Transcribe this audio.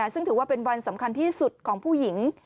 ซึ่งถือว่าเป็นวันสำคัญที่สุดของผู้หญิง